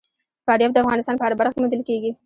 فاریاب د افغانستان په هره برخه کې موندل کېږي.